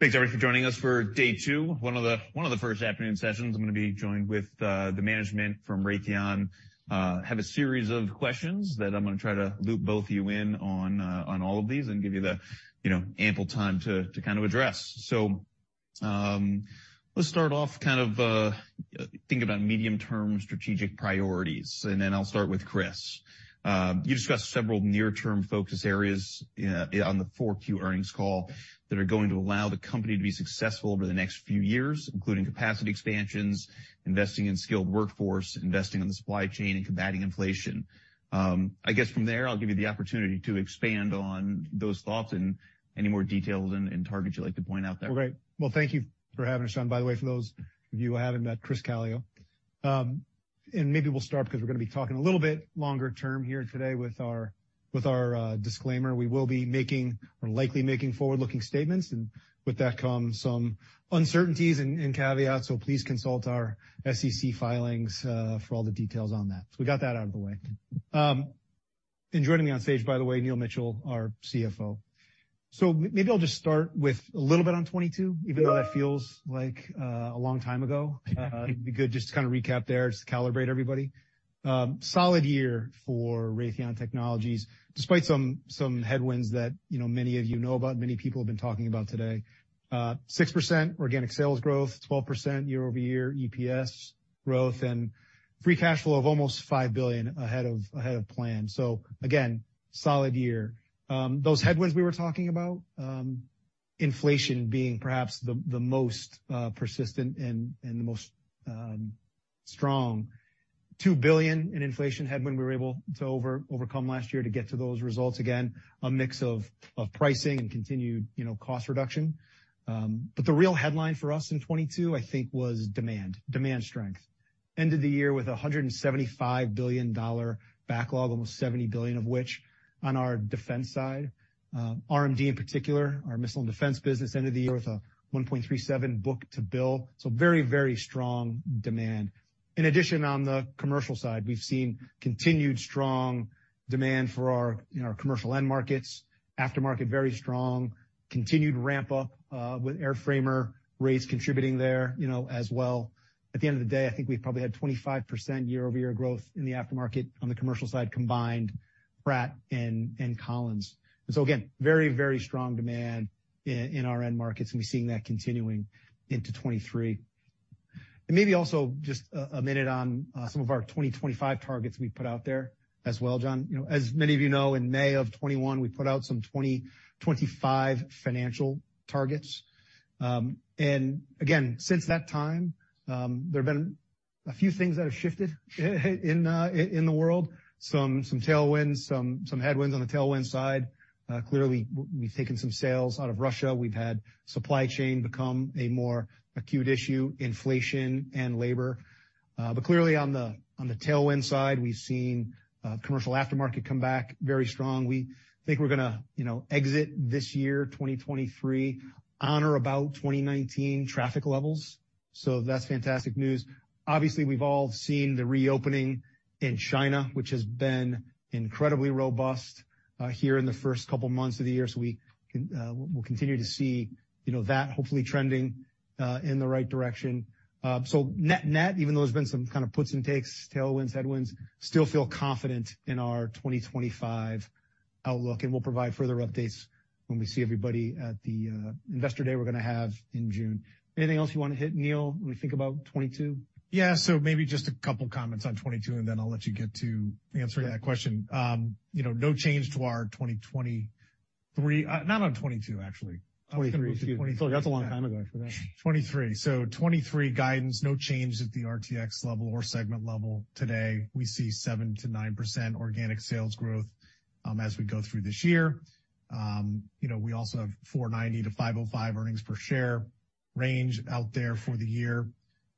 Thanks, everyone, for joining us for day 2, one of the first afternoon sessions. I'm gonna be joined with the management from RTX. Have a series of questions that I'm gonna try to loop both of you in on all of these and give you the, you know, ample time to kind of address. Let's start off kind of think about medium-term strategic priorities, and then I'll start with Chris. You discussed several near-term focus areas on the 4Q earnings call that are going to allow the company to be successful over the next few years, including capacity expansions, investing in skilled workforce, investing on the supply chain and combating inflation. I guess from there, I'll give you the opportunity to expand on those thoughts and any more details and targets you'd like to point out there. Great. Well, thank you for having us, John. By the way, for those of you who haven't met Chris Calio. Maybe we'll start because we're gonna be talking a little bit longer term here today with our, with our disclaimer. We will be making or likely making forward-looking statements, and with that comes some uncertainties and caveats. Please consult our SEC filings, for all the details on that. We got that out of the way. Joining me on stage, by the way, Neil Mitchill, our CFO. Maybe I'll just start with a little bit on 2022, even though that feels like a long time ago. Uh-huh. It'd be good just to kind of recap there, just to calibrate everybody. Solid year for RTX Corporation, despite some headwinds that, you know, many of you know about, many people have been talking about today. 6% organic sales growth, 12% year-over-year EPS growth, and free cash flow of almost $5 billion ahead of plan. Again, solid year. Those headwinds we were talking about, inflation being perhaps the most persistent and the most strong. $2 billion in inflation headwind we were able to overcome last year to get to those results. Again, a mix of pricing and continued, you know, cost reduction. The real headline for us in 22, I think, was demand strength. Ended the year with a $175 billion backlog, almost $70 billion of which on our defense side, RMD in particular, our missile and defense business, ended the year with a 1.37 book-to-bill. Very, very strong demand. In addition, on the commercial side, we've seen continued strong demand for our, you know, commercial end markets. Aftermarket, very strong. Continued ramp up with airframer, Raytheon contributing there, you know, as well. At the end of the day, I think we've probably had 25% year-over-year growth in the aftermarket on the commercial side, combined Pratt and Collins. Again, very, very strong demand in our end markets, and we're seeing that continuing into 2023. Maybe also just a minute on some of our 2025 targets we put out there as well, John. You know, as many of you know, in May of 21, we put out some 2025 financial targets. Again, since that time, there have been a few things that have shifted in the world. Some, some tailwinds, some headwinds. On the tailwind side, clearly we've taken some sales out of Russia. We've had supply chain become a more acute issue, inflation and labor. Clearly on the, on the tailwind side, we've seen commercial aftermarket come back very strong. We think we're gonna, you know, exit this year, 2023, on or about 2019 traffic levels. That's fantastic news. Obviously, we've all seen the reopening in China, which has been incredibly robust here in the first couple months of the year. We'll continue to see, you know, that hopefully trending in the right direction. Net, net, even though there's been some kind of puts and takes, tailwinds, headwinds, still feel confident in our 2025 outlook, and we'll provide further updates when we see everybody at the investor day we're gonna have in June. Anything else you wanna hit, Neil, when we think about 22? Yeah. Maybe just a couple comments on 22, and then I'll let you get to answering that question. you know, no change to our 2023, not on 22, actually. 23. Excuse me. I thought that's a long time ago. I forgot. 2023. 2023 guidance, no change at the RTX level or segment level today. We see 7%-9% organic sales growth as we go through this year. you know, we also have $4.90-$5.05 earnings per share range out there for the year,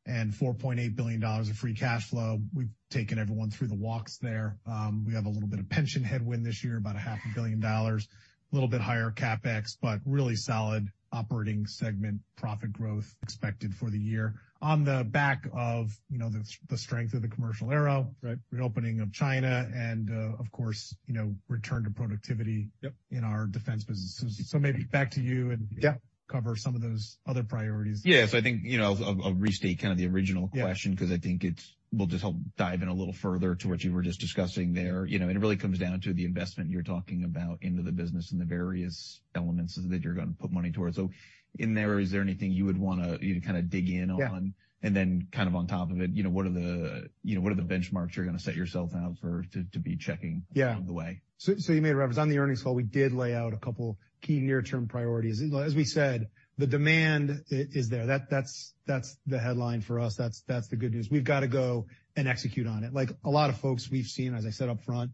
and $4.8 billion of free cash flow. We've taken everyone through the walks there. We have a little bit of pension headwind this year, about a half a billion dollars, a little bit higher CapEx, but really solid operating segment profit growth expected for the year on the back of, you know, the strength of the commercial aero- Right. reopening of China and, of course, you know, return to productivity- Yep. in our defense businesses. Maybe back to you. Yeah. Cover some of those other priorities. Yeah. I think, you know, I'll restate kind of the original question. Yeah. I think will just help dive in a little further to what you were just discussing there. You know, it really comes down to the investment you're talking about into the business and the various elements that you're gonna put money towards. In there, is there anything you would wanna you to kind of dig in on? Yeah. kind of on top of it, you know, what are the, you know, what are the benchmarks you're gonna set yourself out for to be checking-? Yeah. along the way? You made a reference. On the earnings call, we did lay out a couple key near-term priorities. As we said, the demand is there. That's, that's the headline for us. That's, that's the good news. We've gotta go and execute on it. Like a lot of folks we've seen, as I said up front,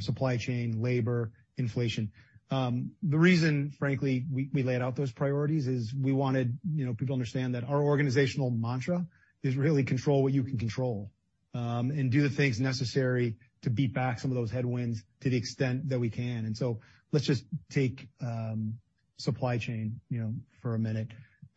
supply chain, labor, inflation. The reason, frankly, we laid out those priorities is we wanted, you know, people to understand that our organizational mantra is really control what you can control. Do the things necessary to beat back some of those headwinds to the extent that we can. Let's just take supply chain, you know, for a minute.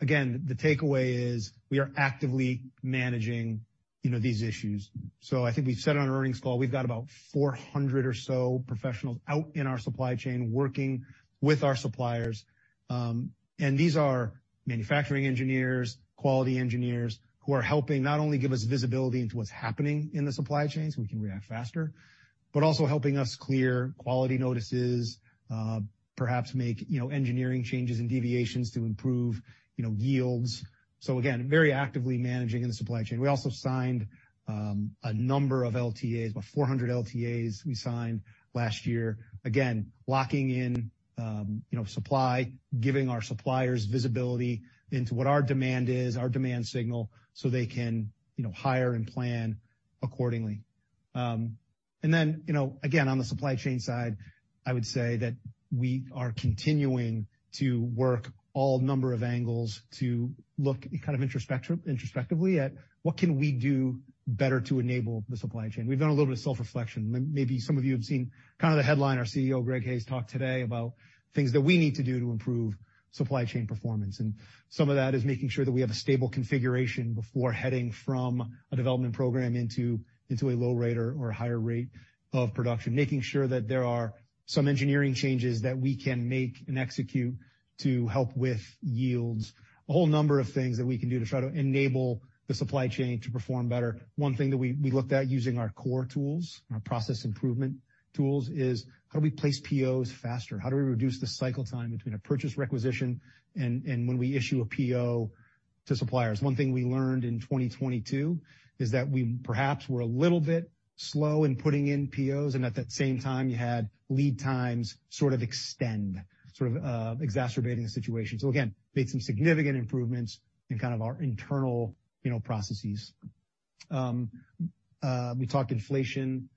Again, the takeaway is we are actively managing, you know, these issues. I think we've said on earnings call, we've got about 400 or so professionals out in our supply chain working with our suppliers. These are manufacturing engineers, quality engineers, who are helping not only give us visibility into what's happening in the supply chains, so we can react faster, but also helping us clear quality notices, perhaps make, you know, engineering changes and deviations to improve, you know, yields. Again, very actively managing in the supply chain. We also signed a number of LTAs, about 400 LTAs we signed last year. Locking in, you know, supply, giving our suppliers visibility into what our demand is, our demand signal, so they can, you know, hire and plan accordingly. On the supply chain side, I would say that we are continuing to work all number of angles to look kind of introspectively at what can we do better to enable the supply chain. We've done a little bit of self-reflection. Maybe some of you have seen kind of the headline, our CEO, Greg Hayes, talk today about things that we need to do to improve supply chain performance. Some of that is making sure that we have a stable configuration before heading from a development program into a low rate or a higher rate of production, making sure that there are some engineering changes that we can make and execute to help with yields. A whole number of things that we can do to try to enable the supply chain to perform better. One thing that we looked at using our core tools, our process improvement tools, is how do we place POs faster? How do we reduce the cycle time between a purchase requisition and when we issue a PO to suppliers? One thing we learned in 2022 is that we perhaps were a little bit slow in putting in POs, and at that same time, you had lead times sort of extend, sort of exacerbating the situation. Again, made some significant improvements in kind of our internal, you know, processes. We talked inflation,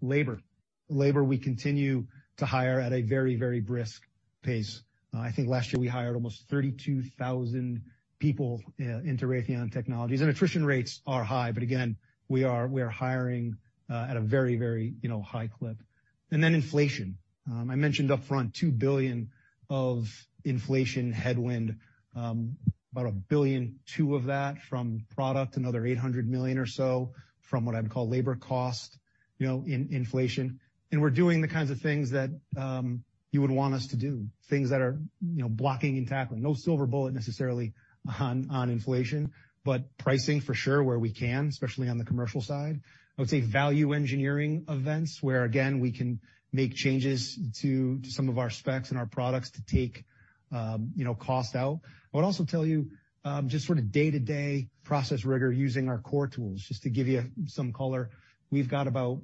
labor. We continue to hire at a very brisk pace. I think last year we hired almost 32,000 people into Raytheon Technologies. Attrition rates are high. Again, we are hiring at a very, you know, high clip. Then inflation. I mentioned upfront, $2 billion of inflation headwind, about $1.2 billion of that from product, another $800 million or so from what I'd call labor cost, you know, in inflation. We're doing the kinds of things that, you would want us to do, things that are, you know, blocking and tackling. No silver bullet necessarily on inflation, but pricing for sure where we can, especially on the commercial side. I would say value engineering events, where again, we can make changes to some of our specs and our products to take, you know, cost out. I would also tell you, just sort of day-to-day process rigor using our core tools, just to give you some color. We've got about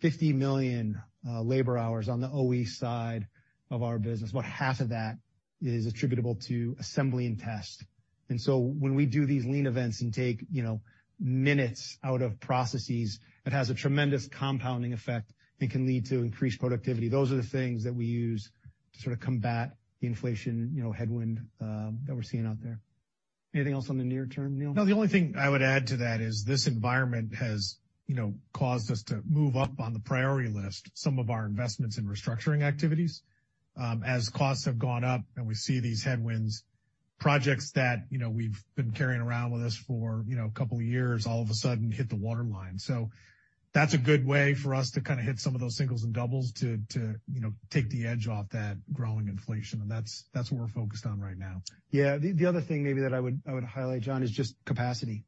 50 million labor hours on the OE side of our business. About half of that is attributable to assembly and test. When we do these lean events and take, you know, minutes out of processes, it has a tremendous compounding effect and can lead to increased productivity. Those are the things that we use to sort of combat the inflation, you know, headwind that we're seeing out there. Anything else on the near term, Neil? No, the only thing I would add to that is this environment has, you know, caused us to move up on the priority list some of our investments in restructuring activities. As costs have gone up and we see these headwinds, projects that, you know, we've been carrying around with us for, you know, a couple of years, all of a sudden hit the waterline. That's a good way for us to kind of hit some of those singles and doubles to, you know, take the edge off that growing inflation. That's what we're focused on right now. Yeah. The other thing maybe that I would highlight, John, is just capacity.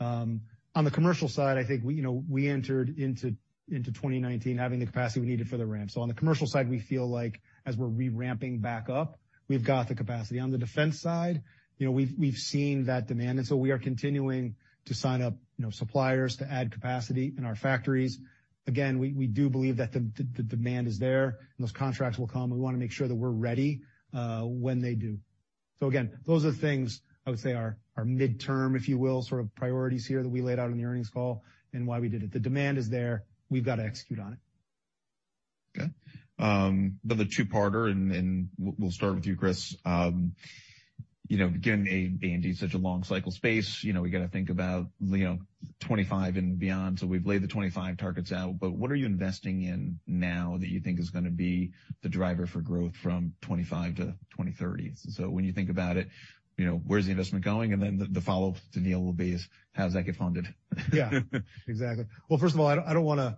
On the commercial side, I think we, you know, we entered into 2019 having the capacity we needed for the ramp. On the commercial side, we feel like as we're reramping back up, we've got the capacity. On the defense side, you know, we've seen that demand, and so we are continuing to sign up, you know, suppliers to add capacity in our factories. Again, we do believe that the demand is there, and those contracts will come. We wanna make sure that we're ready when they do. Again, those are the things I would say are midterm, if you will, sort of priorities here that we laid out in the earnings call and why we did it. The demand is there. We've got to execute on it. Okay. Another two-parter, and we'll start with you, Chris. You know, again, being in such a long cycle space, you know, we gotta think about, you know, 2025 and beyond. We've laid the 2025 targets out, but what are you investing in now that you think is gonna be the driver for growth from 2025 to 2030? When you think about it, you know, where's the investment going? Then the follow-up to Neil will be is how does that get funded? Exactly. First of all, I don't wanna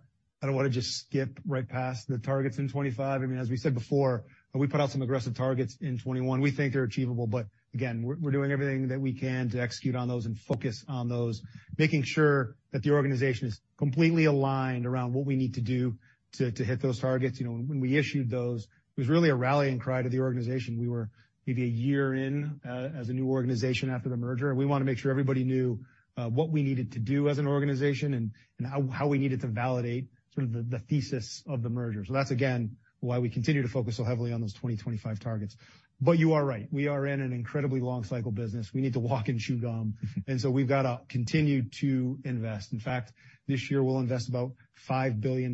just skip right past the targets in 2025. I mean, as we said before, we put out some aggressive targets in 2021. We think they're achievable, again, we're doing everything that we can to execute on those and focus on those, making sure that the organization is completely aligned around what we need to do to hit those targets. You know, when we issued those, it was really a rallying cry to the organization. We were maybe a year in as a new organization after the merger, we wanted to make sure everybody knew what we needed to do as an organization and how we needed to validate sort of the thesis of the merger. That's again, why we continue to focus so heavily on those 2025 targets. You are right. We are in an incredibly long cycle business. We need to walk and chew gum. We've gotta continue to invest. In fact, this year we'll invest about $5 billion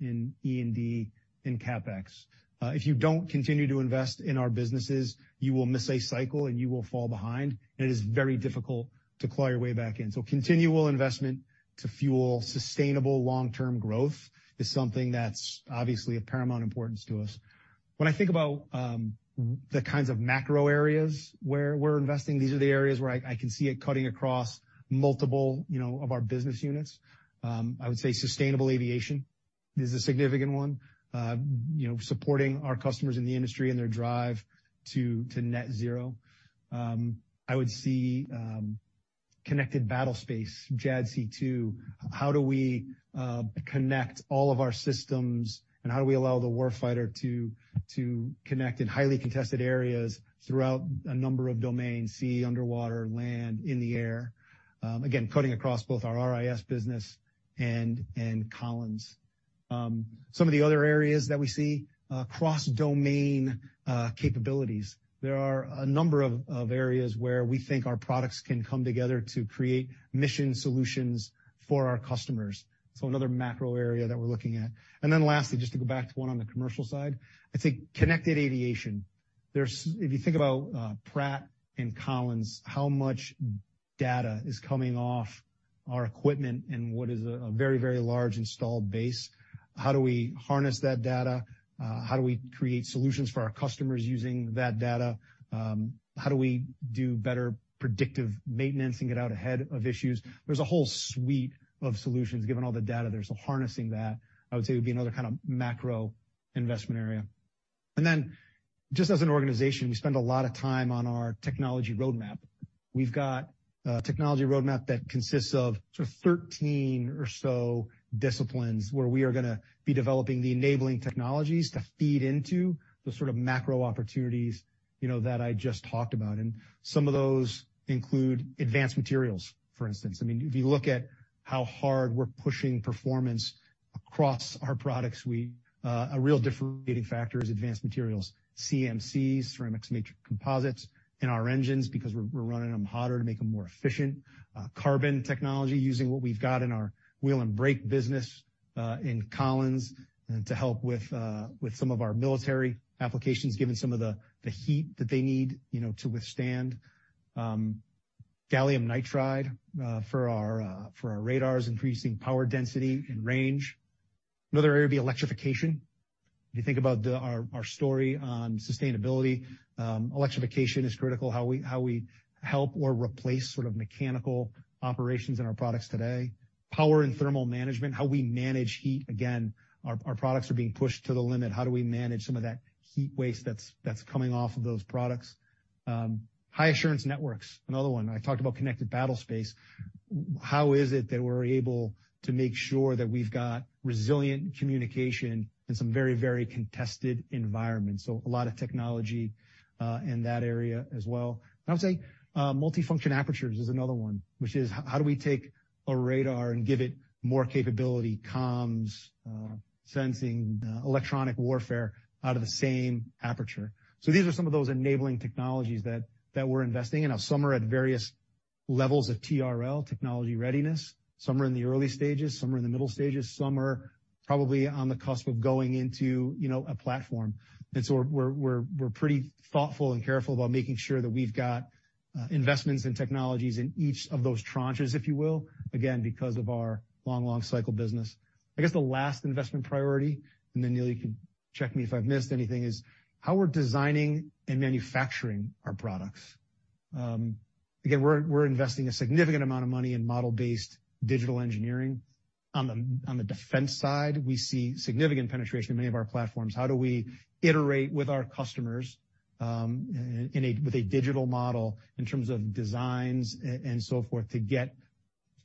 in R&D in CapEx. If you don't continue to invest in our businesses, you will miss a cycle, and you will fall behind, and it is very difficult to claw your way back in. Continual investment to fuel Sustainable long-term growth is something that's obviously of paramount importance to us. When I think about, the kinds of macro areas where we're investing, these are the areas where I can see it cutting across multiple, you know, of our business units. I would say Sustainable Aviation is a significant one. You know, supporting our customers in the industry and their drive to net zero. I would see connected battlespace, JADC2. How do we connect all of our systems, and how do we allow the war fighter to connect in highly contested areas throughout a number of domains, sea, underwater, land, in the air? Again, cutting across both our RIS business and Collins. Some of the other areas that we see cross domain capabilities. There are a number of areas where we think our products can come together to create mission solutions for our customers. Another macro area that we're looking at. Lastly, just to go back to one on the commercial side, I'd say connected aviation. If you think about Pratt and Collins, how much data is coming off our equipment and what is a very, very large installed base, how do we harness that data? How do we create solutions for our customers using that data? How do we do better predictive maintenance and get out ahead of issues? There's a whole suite of solutions given all the data. There's a harnessing that I would say would be another kind of macro investment area. Just as an organization, we spend a lot of time on our technology roadmap. We've got a technology roadmap that consists of sort of 13 or so disciplines where we are gonna be developing the enabling technologies to feed into the sort of macro opportunities, you know, that I just talked about. Some of those include advanced materials, for instance. I mean, if you look at how hard we're pushing performance across our products, a real differentiating factor is advanced materials. CMCs, ceramic matrix composites in our engines because we're running them hotter to make them more efficient. carbon technology using what we've got in our wheel and brake business, in Collins and to help with some of our military applications, given some of the heat that they need, you know, to withstand. gallium nitride for our radars, increasing power density and range. Another area would be electrification. If you think about our story on sustainability, electrification is critical, how we help or replace sort of mechanical operations in our products today. Power and thermal management, how we manage heat, again, our products are being pushed to the limit. How do we manage some of that heat waste that's coming off of those products? High assurance networks, another one. I talked about connected battlespace. How is it that we're able to make sure that we've got resilient communication in some very contested environments? A lot of technology in that area as well. I would say multifunction apertures is another one, which is how do we take a radar and give it more capability, comms, sensing, electronic warfare out of the same aperture. These are some of those enabling technologies that we're investing in. Now, some are at various levels of TRL, technology readiness. Some are in the early stages, some are in the middle stages, some are probably on the cusp of going into, you know, a platform. We're pretty thoughtful and careful about making sure that we've got investments in technologies in each of those tranches, if you will, again, because of our long, long cycle business. The last investment priority, then, Neal, you can check me if I've missed anything, is how we're designing and manufacturing our products. Again, we're investing a significant amount of money in Model Based Digital Engineering. On the defense side, we see significant penetration in many of our platforms. How do we iterate with our customers, with a digital model in terms of designs and so forth to get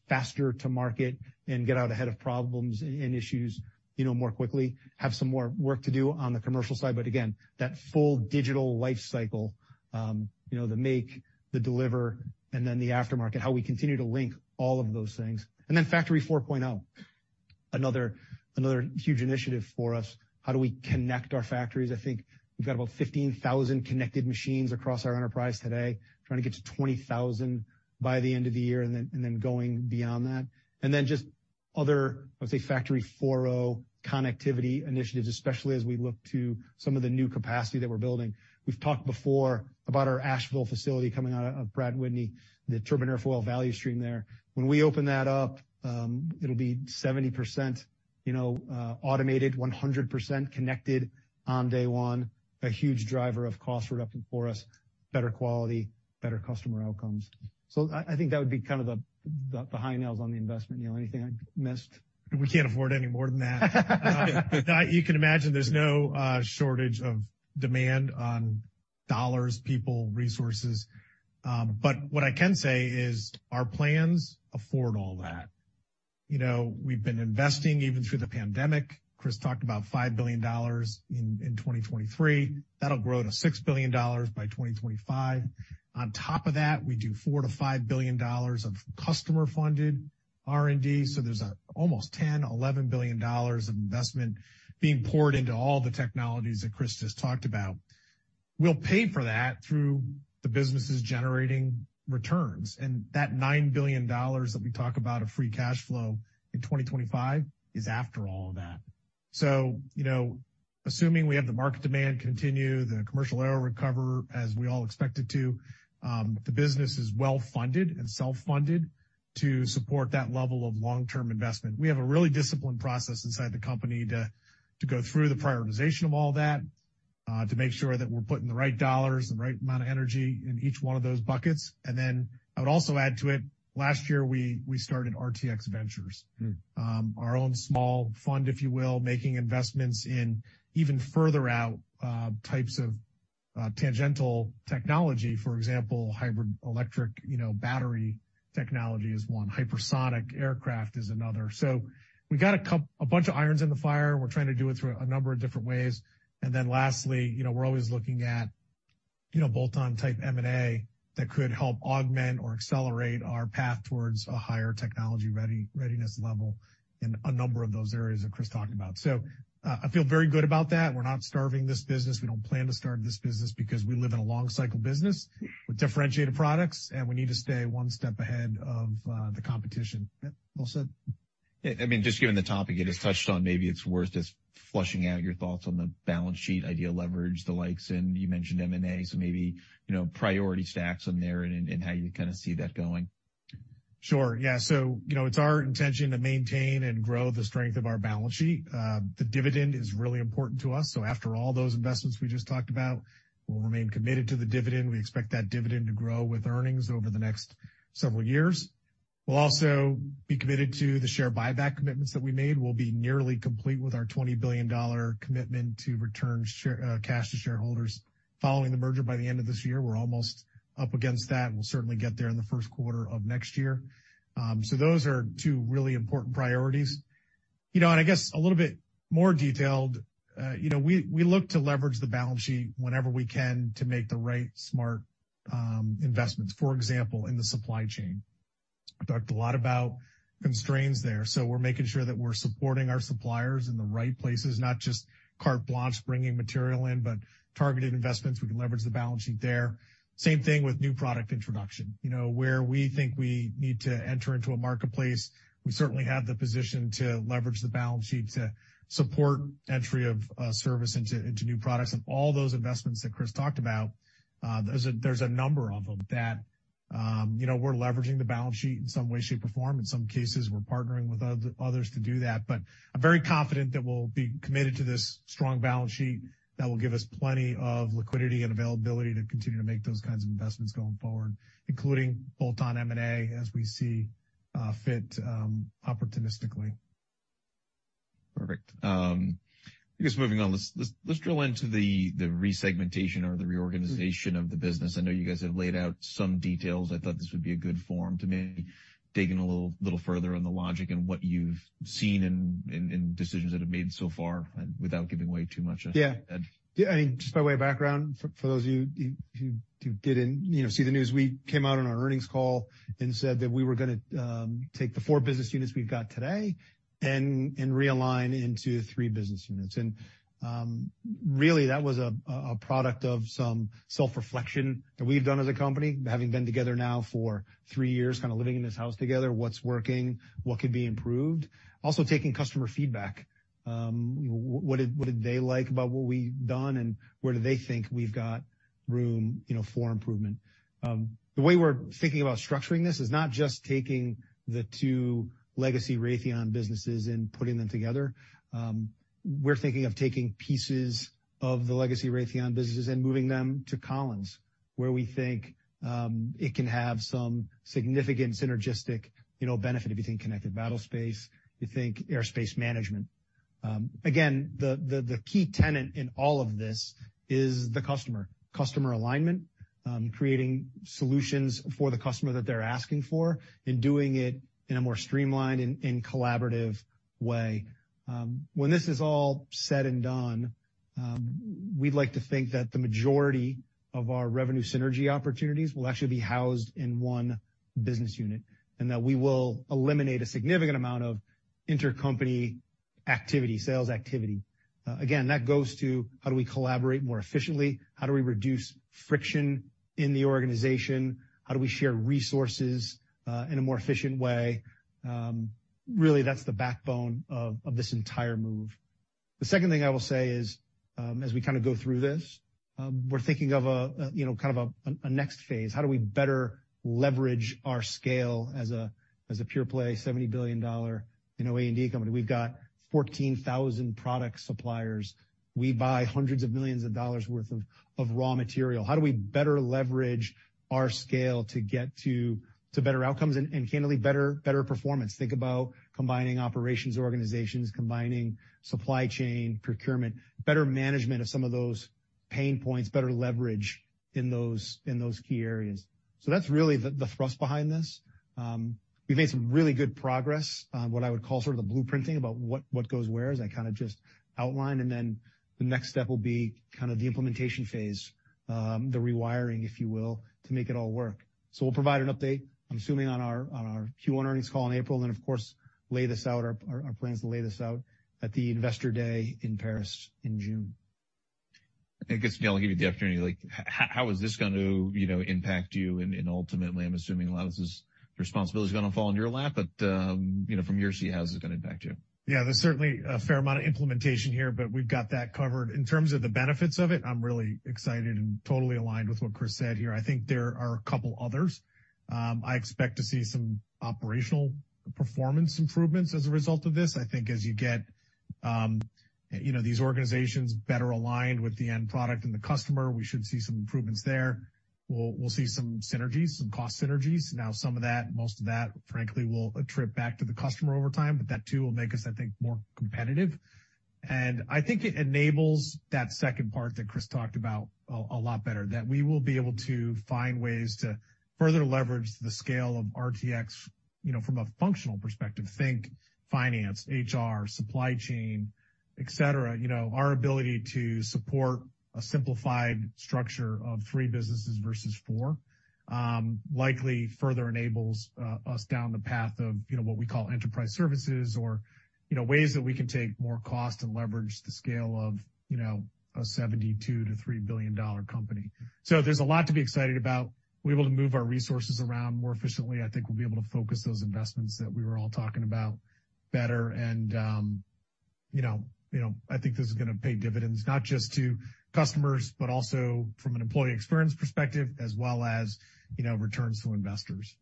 faster to market and get out ahead of problems and issues, you know, more quickly? Have some more work to do on the commercial side, but again, that full digital lifecycle, you know, the make, the deliver, and then the aftermarket, how we continue to link all of those things. Factory 4.0, another huge initiative for us. How do we connect our factories? I think we've got about 15,000 connected machines across our enterprise today, trying to get to 20,000 by the end of the year and then going beyond that. Just other, I would say, Factory 4.0 connectivity initiatives, especially as we look to some of the new capacity that we're building. We've talked before about our Asheville facility coming out of Pratt & Whitney, the turbine airfoil value stream there. When we open that up, it'll be 70%, you know, automated, 100% connected on day one, a huge driver of cost reduction for us, better quality, better customer outcomes. I think that would be kind of the, the high notes on the investment. Neal, anything I missed? We can't afford any more than that. You can imagine there's no shortage of demand on dollars, people, resources. What I can say is our plans afford all that. You know, we've been investing even through the pandemic. Chris talked about $5 billion in 2023. That'll grow to $6 billion by 2025. On top of that, we do $4 billion-$5 billion of customer-funded R&D. There's almost $10 billion-$11 billion of investment being poured into all the technologies that Chris just talked about. We'll pay for that through the businesses generating returns. That $9 billion that we talk about of free cash flow in 2025 is after all of that. You know, assuming we have the market demand continue, the commercial aero recover, as we all expect it to, the business is well-funded and self-funded to support that level of long-term investment. We have a really disciplined process inside the company to go through the prioritization of all that. to make sure that we're putting the right dollars, the right amount of energy in each one of those buckets. I would also add to it, last year we started RTX Ventures. Mm. Our own small fund, if you will, making investments in even further out types of tangential technology. For example, hybrid electric, you know, battery technology is one, hypersonic aircraft is another. We got a bunch of irons in the fire. We're trying to do it through a number of different ways. Lastly, you know, we're always looking at, you know, bolt-on type M&A that could help augment or accelerate our path towards a higher technology readiness level in a number of those areas that Chris talked about. I feel very good about that. We're not starving this business. We don't plan to starve this business because we live in a long cycle business with differentiated products, and we need to stay one step ahead of the competition. All set. Yeah. I mean, just given the topic you just touched on, maybe it's worth just flushing out your thoughts on the balance sheet, ideal leverage, the likes. You mentioned M&A, so maybe, you know, priority stacks in there and how you kind of see that going. Sure, yeah. You know, it's our intention to maintain and grow the strength of our balance sheet. The dividend is really important to us. After all those investments we just talked about, we'll remain committed to the dividend. We expect that dividend to grow with earnings over the next several years. We'll also be committed to the share buyback commitments that we made. We'll be nearly complete with our $20 billion commitment to return cash to shareholders following the merger by the end of this year. We're almost up against that. We'll certainly get there in the first quarter of next year. Those are two really important priorities. You know, I guess a little bit more detailed, you know, we look to leverage the balance sheet whenever we can to make the right smart investments, for example, in the supply chain. We talked a lot about constraints there, so we're making sure that we're supporting our suppliers in the right places, not just carte blanche bringing material in, but targeted investments, we can leverage the balance sheet there. Same thing with new product introduction. You know, where we think we need to enter into a marketplace, we certainly have the position to leverage the balance sheet to support entry of service into new products. All those investments that Chris talked about, there's a, there's a number of them that, you know, we're leveraging the balance sheet in some way, shape, or form. In some cases, we're partnering with others to do that. I'm very confident that we'll be committed to this strong balance sheet that will give us plenty of liquidity and availability to continue to make those kinds of investments going forward, including bolt-on M&A as we see fit opportunistically. Perfect. I guess moving on, let's drill into the resegmentation or the reorganization of the business. I know you guys have laid out some details. I thought this would be a good forum to maybe dig in a little further on the logic and what you've seen in decisions that have made so far without giving away too much. Yeah. Yeah. I mean, just by way of background for those of you who didn't, you know, see the news, we came out on our earnings call and said that we were gonna take the 4 business units we've got today and realign into 3 business units. Really that was a product of some self-reflection that we've done as a company, having been together now for 3 years, kind of living in this house together, what's working, what could be improved. Also taking customer feedback, what did they like about what we've done, where do they think we've got room, you know, for improvement? The way we're thinking about structuring this is not just taking the 2 legacy Raytheon businesses and putting them together. We're thinking of taking pieces of the legacy Raytheon businesses and moving them to Collins, where we think, it can have some significant synergistic, you know, benefit if you think connected battlespace, you think airspace management. Again, the key tenant in all of this is the customer alignment, creating solutions for the customer that they're asking for, and doing it in a more streamlined and collaborative way. When this is all said and done, we'd like to think that the majority of our revenue synergy opportunities will actually be housed in one business unit, and that we will eliminate a significant amount of intercompany activity, sales activity. Again, that goes to how do we collaborate more efficiently? How do we reduce friction in the organization? How do we share resources in a more efficient way? Really, that's the backbone of this entire move. The second thing I will say is, as we kind of go through this, we're thinking of a, you know, kind of a next phase. How do we better leverage our scale as a pure play, $70 billion, you know, A&D company? We've got 14,000 product suppliers. We buy hundreds of millions of dollars worth of raw material. How do we better leverage our scale to get to better outcomes and candidly, better performance? Think about combining operations organizations, combining supply chain procurement, better management of some of those pain points, better leverage in those key areas. That's really the thrust behind this. We've made some really good progress on what I would call sort of the blueprinting about what goes where, as I kind of just outlined. Then the next step will be kind of the implementation phase, the rewiring, if you will, to make it all work. We'll provide an update, I'm assuming, on our Q1 earnings call in April, and of course, lay this out, our plan is to lay this out at the investor day in Paris in June. I guess, Neil, I'll give you the opportunity. Like, how is this going to, you know, impact you? Ultimately, I'm assuming a lot of this responsibility is gonna fall in your lap, but, you know, from your seat, how is this gonna impact you? There's certainly a fair amount of implementation here, but we've got that covered. In terms of the benefits of it, I'm really excited and totally aligned with what Chris said here. I think there are a couple others. I expect to see some operational performance improvements as a result of this. I think as you get, you know, these organizations better aligned with the end product and the customer. We should see some improvements there. We'll see some synergies, some cost synergies. Some of that, most of that, frankly, will trip back to the customer over time, but that too will make us, I think, more competitive. I think it enables that second part that Chris talked about a lot better, that we will be able to find ways to further leverage the scale of RTX, you know, from a functional perspective, think finance, HR, supply chain, et cetera. You know, our ability to support a simplified structure of three businesses versus four, likely further enables us down the path of, you know, what we call Enterprise Services or, you know, ways that we can take more cost and leverage the scale of, you know, a $72 billion-$73 billion company. There's a lot to be excited about. We're able to move our resources around more efficiently. I think we'll be able to focus those investments that we were all talking about better. You know, I think this is gonna pay dividends, not just to customers, but also from an employee experience perspective as well as, you know, returns to investors.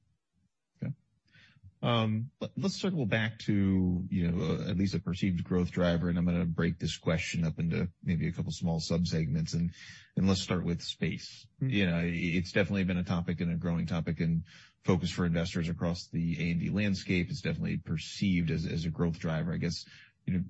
Okay. Let's circle back to, you know, at least a perceived growth driver, and I'm gonna break this question up into maybe a couple small subsegments, and let's start with space. You know, it's definitely been a topic and a growing topic and focus for investors across the A&D landscape. It's definitely perceived as a growth driver. I guess, you know,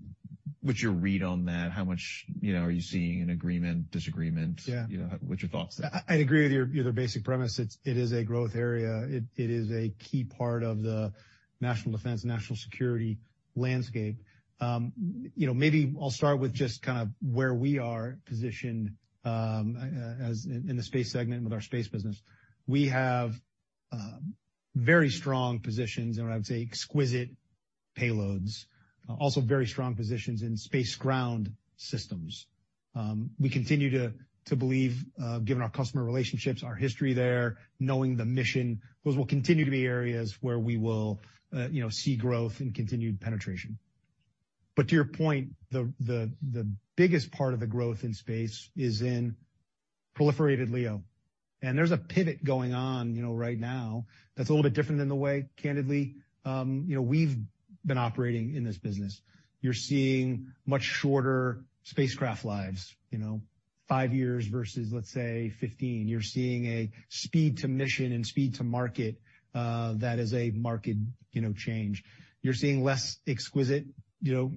what's your read on that? How much, you know, are you seeing in agreement, disagreement? Yeah. You know, what's your thoughts there? I agree with your basic premise. It is a growth area. It is a key part of the national defense, national security landscape. You know, maybe I'll start with just kind of where we are positioned in the space segment with our space business. We have very strong positions and what I would say exquisite payloads, also very strong positions in space ground systems. We continue to believe, given our customer relationships, our history there, knowing the mission, those will continue to be areas where we will, you know, see growth and continued penetration. To your point, the biggest part of the growth in space is in proliferated LEO. There's a pivot going on, you know, right now that's a little bit different than the way, candidly, you know, we've been operating in this business. You're seeing much shorter spacecraft lives, you know, 5 years versus, let's say, 15. You're seeing a speed to mission and speed to market that is a market, you know, change. You're seeing less exquisite, you know,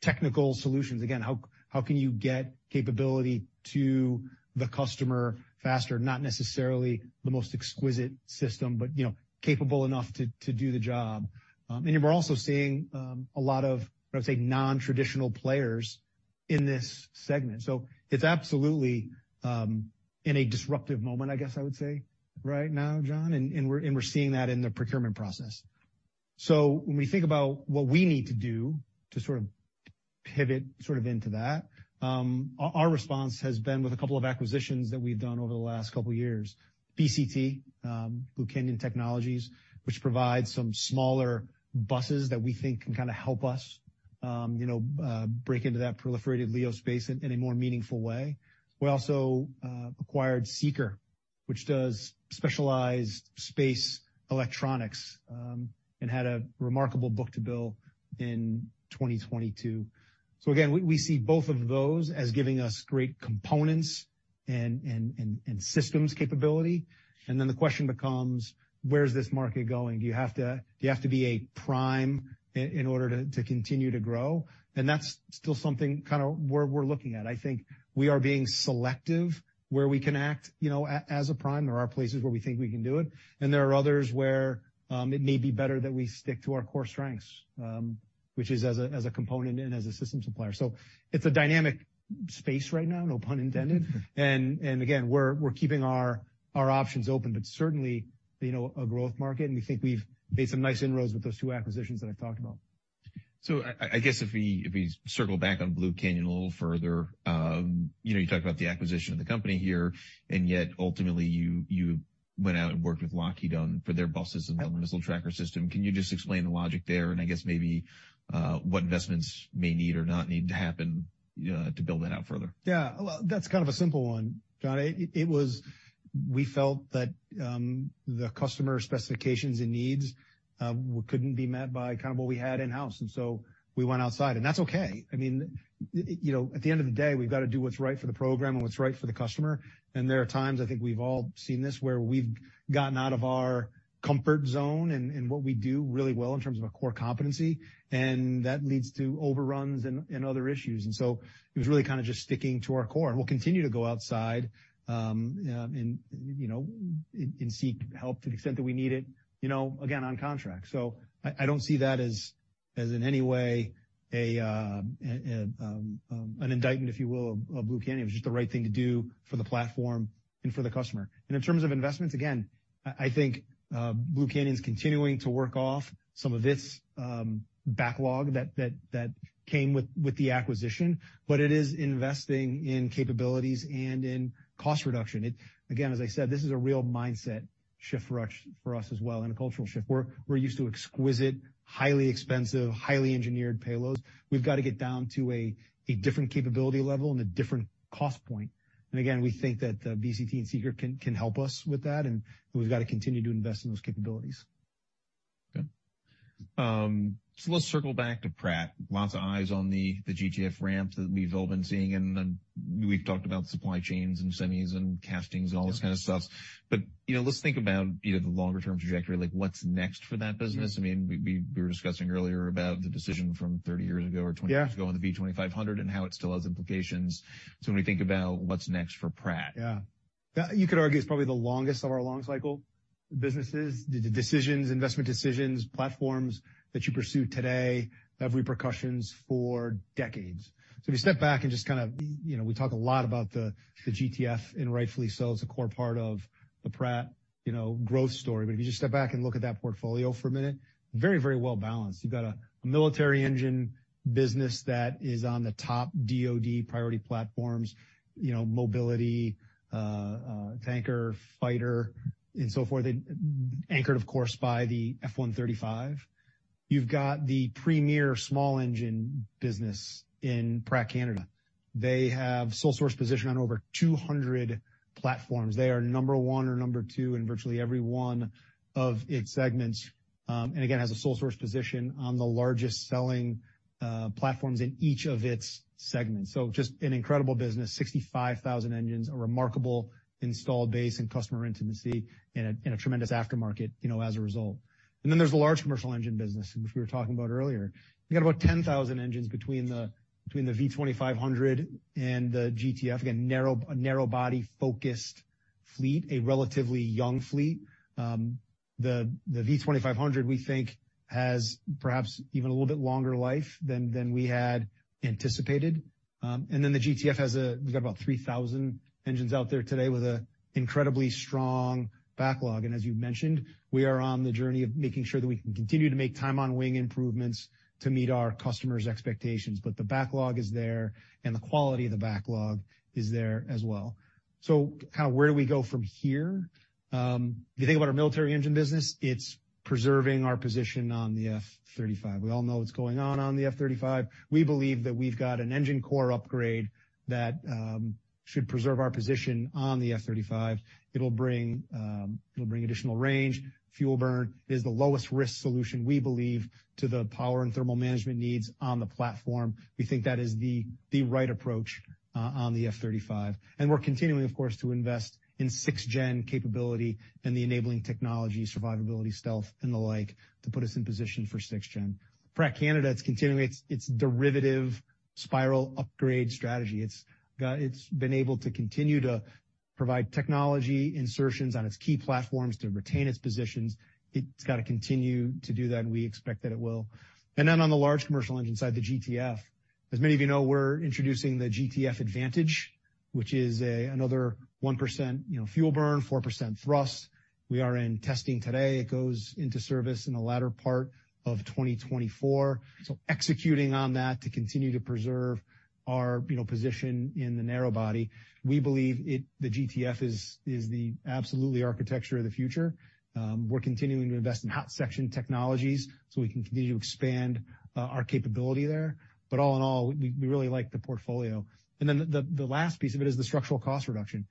technical solutions. Again, how can you get capability to the customer faster? Not necessarily the most exquisite system, but, you know, capable enough to do the job. We're also seeing a lot of, I would say, non-traditional players in this segment. It's absolutely in a disruptive moment, I guess I would say right now, John, and we're seeing that in the procurement process. When we think about what we need to do to sort of pivot sort of into that, our response has been with a couple of acquisitions that we've done over the last couple years. BCT, Blue Canyon Technologies, which provides some smaller buses that we think can kind of help us, you know, break into that proliferated LEO space in a more meaningful way. We also acquired SEAKR, which does specialized space electronics, and had a remarkable book-to-bill in 2022. Again, we see both of those as giving us great components and systems capability. Then the question becomes, where's this market going? Do you have to be a prime in order to continue to grow? And that's still something kind of we're looking at. I think we are being selective where we can act, you know, as a prime. There are places where we think we can do it, and there are others where it may be better that we stick to our core strengths, which is as a component and as a system supplier. It's a dynamic space right now, no pun intended. Again, we're keeping our options open, but certainly, you know, a growth market, and we think we've made some nice inroads with those two acquisitions that I've talked about. I guess if we circle back on Blue Canyon a little further, you know, you talked about the acquisition of the company here, and yet ultimately, you went out and worked with Lockheed on, for their buses and the missile tracker system. Can you just explain the logic there, and I guess maybe, what investments may need or not need to happen to build that out further? Well, that's kind of a simple one, John. It was we felt that, the customer specifications and needs, couldn't be met by kind of what we had in-house. We went outside, and that's okay. I mean, you know, at the end of the day, we've got to do what's right for the program and what's right for the customer. There are times, I think we've all seen this, where we've gotten out of our comfort zone in what we do really well in terms of a core competency, and that leads to overruns and other issues. It was really kind of just sticking to our core, and we'll continue to go outside, you know, and seek help to the extent that we need it, you know, again, on contract. I don't see that as in any way an indictment, if you will, of Blue Canyon. It was just the right thing to do for the platform and for the customer. In terms of investments, again, I think Blue Canyon's continuing to work off some of its backlog that came with the acquisition, but it is investing in capabilities and in cost reduction. Again, as I said, this is a real mindset shift for us as well, and a cultural shift. We're used to exquisite, highly expensive, highly engineered payloads. We've got to get down to a different capability level and a different cost point. Again, we think that BCT and SEAKR can help us with that, and we've got to continue to invest in those capabilities. Let's circle back to Pratt. Lots of eyes on the GTF ramp that we've all been seeing, and then we've talked about supply chains and semis and castings and all this kind of stuff. You know, let's think about, you know, the longer-term trajectory, like what's next for that business. I mean, we were discussing earlier about the decision from 30 years ago or 20 years ago- Yeah on the V2500 and how it still has implications. When we think about what's next for Pratt. Yeah. You could argue it's probably the longest of our long cycle businesses. The decisions, investment decisions, platforms that you pursue today have repercussions for decades. If you step back and just kind of, you know, we talk a lot about the GTF, and rightfully so. It's a core part of the Pratt, you know, growth story. If you just step back and look at that portfolio for a minute, very, very well-balanced. You've got a military engine business that is on the top DoD priority platforms, you know, mobility, tanker, fighter, and so forth. Anchored, of course, by the F135. You've got the premier small engine business in Pratt & Whitney Canada. They have sole source position on over 200 platforms. They are number one or number two in virtually every one of its segments. Again, has a sole source position on the largest-selling platforms in each of its segments. Just an incredible business, 65,000 engines, a remarkable installed base and customer intimacy and a tremendous aftermarket, you know, as a result. Then there's the large commercial engine business, which we were talking about earlier. We've got about 10,000 engines between the V2500 and the GTF. Narrow-body-focused fleet, a relatively young fleet. The V2500 we think has perhaps even a little bit longer life than we had anticipated. Then the GTF has a we've got about 3,000 engines out there today with a incredibly strong backlog. As you mentioned, we are on the journey of making sure that we can continue to make time on wing improvements to meet our customers' expectations. The backlog is there, and the quality of the backlog is there as well. Where do we go from here? If you think about our military engine business, it's preserving our position on the F-35. We all know what's going on on the F-35. We believe that we've got an Engine Core Upgrade that should preserve our position on the F-35. It'll bring additional range. Fuel burn is the lowest risk solution, we believe, to the power and thermal management needs on the platform. We think that is the right approach on the F-35. We're continuing, of course, to invest in sixth-gen capability and the enabling technology, survivability, stealth, and the like, to put us in position for sixth-gen. Pratt & Canada, it's continuing its derivative spiral upgrade strategy. It's been able to continue to provide technology insertions on its key platforms to retain its positions. It's got to continue to do that, and we expect that it will. Then on the large commercial engine side, the GTF, as many of you know, we're introducing the GTF Advantage, which is another 1%, you know, fuel burn, 4% thrust. We are in testing today. It goes into service in the latter part of 2024. Executing on that to continue to preserve our, you know, position in the narrow body. We believe it the GTF is the absolutely architecture of the future. We're continuing to invest in hot section technologies, so we can continue to expand our capability there. All in all, we really like the portfolio. The last piece of it is the structural cost reduction.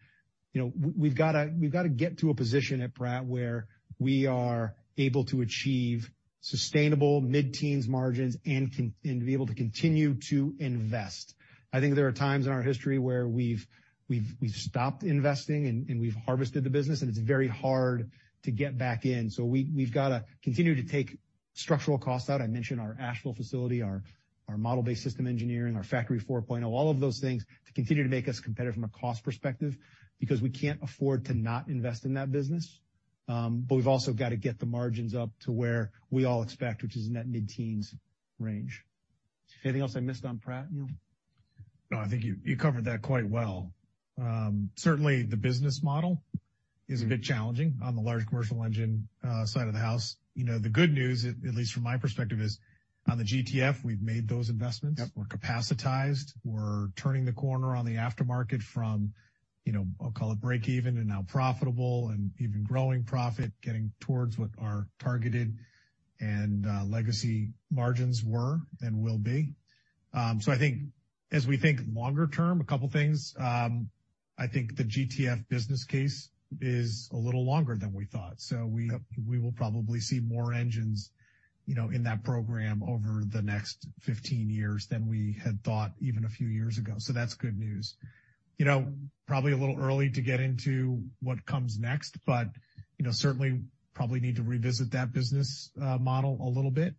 You know, we've got to get to a position at Pratt where we are able to achieve sustainable mid-teens margins and be able to continue to invest. I think there are times in our history where we've stopped investing and we've harvested the business, and it's very hard to get back in. We've got to continue to take structural costs out. I mentioned our Asheville facility, our Model-Based Systems Engineering, our Factory 4.0, all of those things to continue to make us competitive from a cost perspective because we can't afford to not invest in that business. We've also got to get the margins up to where we all expect, which is in that mid-teens range. Is there anything else I missed on Pratt, Neil? No, I think you covered that quite well. Certainly the business model is a bit challenging on the large commercial engine side of the house. You know, the good news, at least from my perspective, is on the GTF, we've made those investments. Yep. We're capacitized. We're turning the corner on the aftermarket from, you know, I'll call it break even and now profitable and even growing profit, getting towards what our targeted and legacy margins were and will be. I think as we think longer term, a couple things. I think the GTF business case is a little longer than we thought. Yep. We will probably see more engines, you know, in that program over the next 15 years than we had thought even a few years ago. That's good news. You know, probably a little early to get into what comes next, but you know, certainly probably need to revisit that business model a little bit.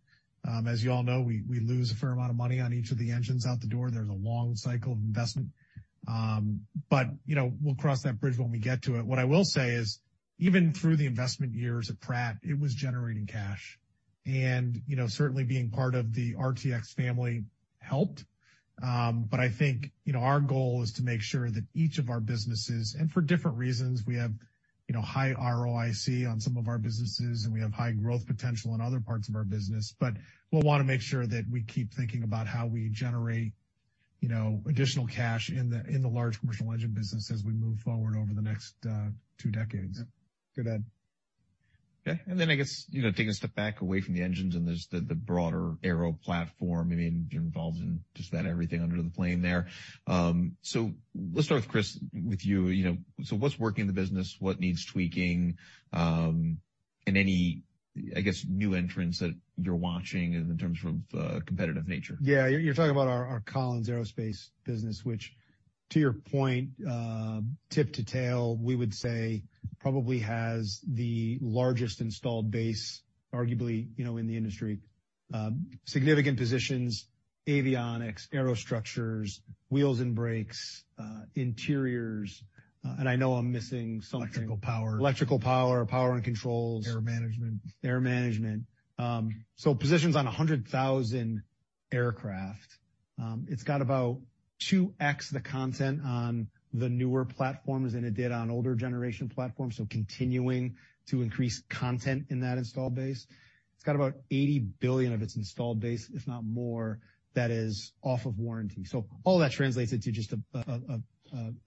As you all know, we lose a fair amount of money on each of the engines out the door. There's a long cycle of investment. You know, we'll cross that bridge when we get to it. What I will say is even through the investment years at Pratt, it was generating cash. You know, certainly being part of the RTX family helped. I think, you know, our goal is to make sure that each of our businesses, and for different reasons, we have, you know, high ROIC on some of our businesses, and we have high growth potential in other parts of our business. We'll want to make sure that we keep thinking about how we generate, you know, additional cash in the, in the large commercial engine business as we move forward over the next two decades. Yeah. Good add. I guess, you know, taking a step back away from the engines and there's the broader Aero platform, I mean, you're involved in just about everything under the plane there. Let's start with Chris, with you. You know, what's working in the business? What needs tweaking? Any, I guess, new entrants that you're watching in terms of competitive nature. Yeah. You're talking about our Collins Aerospace business, which to your point, tip to tail, we would say probably has the largest installed base, arguably, you know, in the industry. Significant positions, avionics, aerostructures, wheels and brakes, interiors, and I know I'm missing something. Electrical power.... electrical power and controls. Air management. Air management. Positions on 100,000 aircraft. It's got about 2x the content on the newer platforms than it did on older generation platforms, so continuing to increase content in that installed base. It's got about $80 billion of its installed base, if not more, that is off of warranty. All that translates into just an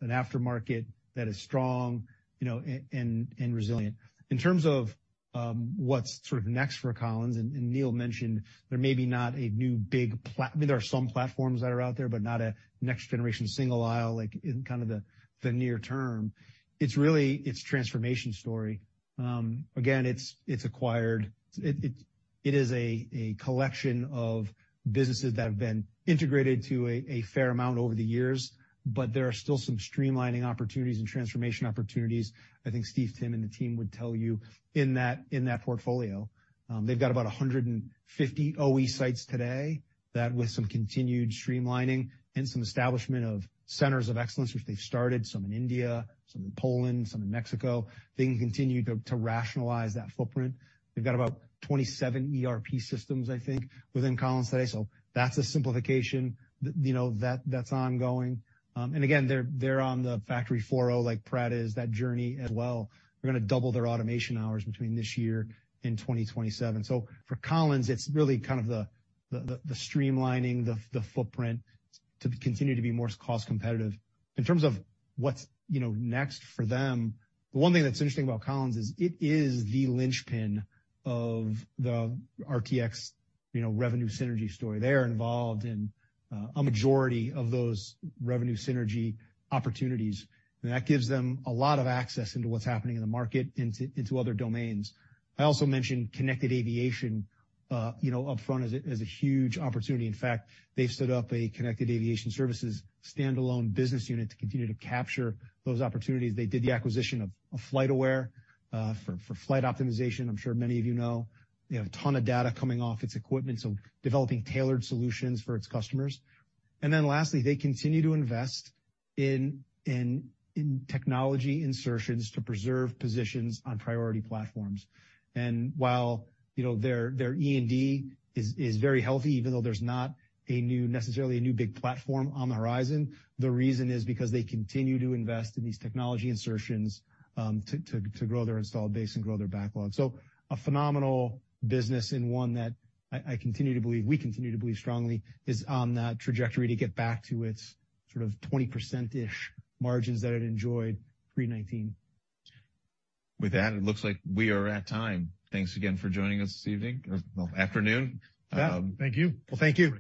aftermarket that is strong, you know, and resilient. In terms of what's sort of next for Collins, Neil mentioned there may be not a new big platform. There are some platforms that are out there, but not a next generation single aisle, like in kind of the near term. It's really its transformation story. Again, it's acquired. It is a collection of businesses that have been integrated to a fair amount over the years, but there are still some streamlining opportunities and transformation opportunities, I think Stephen Timm and the team would tell you, in that, in that portfolio. They've got about 150 OE sites today that with some continued streamlining and some establishment of centers of excellence, which they've started, some in India, some in Poland, some in Mexico, they can continue to rationalize that footprint. They've got about 27 ERP systems, I think, within Collins today. That's a simplification. You know, that's ongoing. Again, they're on the Factory 4.0, like Pratt is, that journey as well. They're gonna double their automation hours between this year and 2027. For Collins, it's really kind of the streamlining, the footprint to continue to be more cost competitive. In terms of what's, you know, next for them, the one thing that's interesting about Collins is it is the linchpin of the RTX, you know, revenue synergy story. They are involved in a majority of those revenue synergy opportunities. That gives them a lot of access into what's happening in the market into other domains. I also mentioned connected aviation, you know, upfront as a huge opportunity. In fact, they've stood up a Connected Aviation Services standalone business unit to continue to capture those opportunities. They did the acquisition of FlightAware for flight optimization. I'm sure many of you know. They have a ton of data coming off its equipment, so developing tailored solutions for its customers. Lastly, they continue to invest in technology insertions to preserve positions on priority platforms. While, you know, their R&D is very healthy, even though there's not a new, necessarily a new big platform on the horizon, the reason is because they continue to invest in these technology insertions to grow their installed base and grow their backlog. A phenomenal business and one that I continue to believe, we continue to believe strongly is on that trajectory to get back to its sort of 20%-ish margins that it enjoyed pre-2019. With that, it looks like we are at time. Thanks again for joining us this evening, or well, afternoon. Yeah. Thank you. Well, thank you.